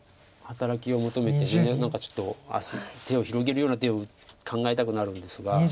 働きを求めて何かちょっと手を広げるような手を考えたくなるんですが。